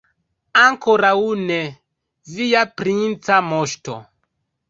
Ankoraŭ ne, via princa moŝto.